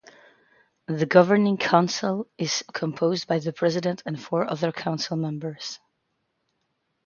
The Governing Council is composed by the President and four other council members.